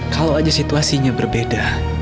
kalau aja situasinya berbeda